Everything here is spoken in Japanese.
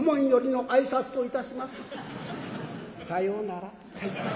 さよなら。